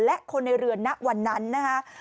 และคนในเรือนณวันนั้นนะคะ